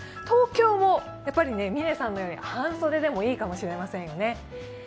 東京も嶺さんのように半袖でもいいかもしれませんよね。